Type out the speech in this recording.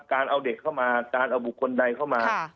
การเอาเด็กเข้ามาการเอาบุคคลใดเข้ามา